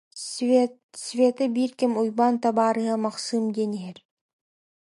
Света биир кэм Уйбаан табаарыһа Махсыым диэн иһэр